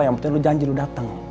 yang penting lo janji lo datang